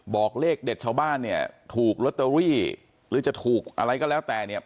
บอกเลขเด็ดชาวบ้านเนี่ยถูกลอตเตอรี่หรือจะถูกอะไรก็แล้วแต่เนี่ย